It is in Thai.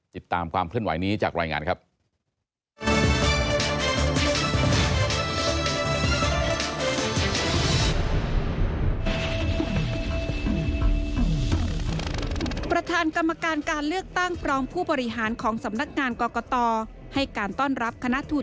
ติดตามความเคลื่อนไหวนี้จากรายงานครับ